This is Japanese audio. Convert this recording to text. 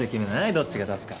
どっちが出すか。